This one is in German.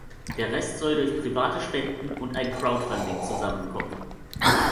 Der Rest soll durch private Spenden und ein Crowdfunding zusammenkommen.